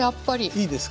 いいですか？